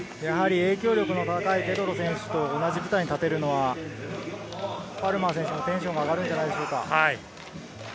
影響力の高いペドロ選手と同じ舞台に立てるのはパルマー選手もテンション上がるんじゃないでしょうか。